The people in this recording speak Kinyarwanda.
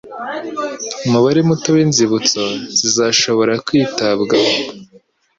umubare muto w inzibutso zizashobora kwitabwaho